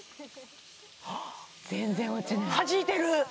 全然落ちないはじいてる！